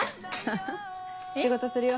ハハ仕事するよ。